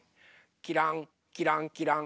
きらんきらんきらん。